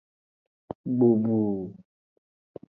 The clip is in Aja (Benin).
Gbogbu.